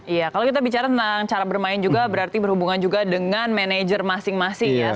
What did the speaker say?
iya kalau kita bicara tentang cara bermain juga berarti berhubungan juga dengan manajer masing masing ya